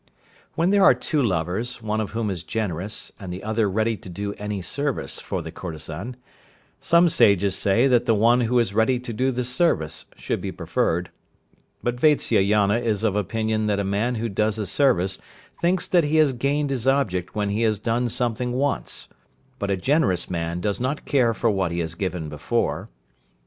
When there are two lovers, one of whom is generous, and the other ready to do any service for the courtesan, some Sages say that the one who is ready to do the service should be preferred, but Vatsyayana is of opinion that a man who does a service thinks that he has gained his object when he has done something once, but a generous man does not care for what he has given before.